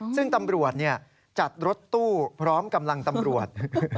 ซึ่งตำรวจจัดรถตู้พร้อมกำลังตำรวจ